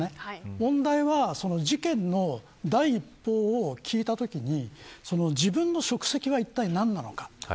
問題は、事件の第一報を聞いたときに自分の職責はいったい何なのか。